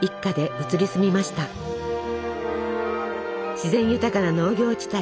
自然豊かな農業地帯。